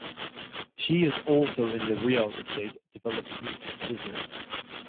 She is also in the real estate development business.